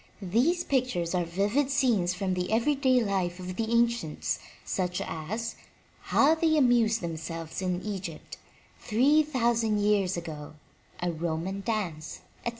These pictures are vivid scenes from the everyday life of the an cients, such as, '*How They Amused Themselves in Egypt Three Thousand Years Ago,'* A Roman Dance,*' etc.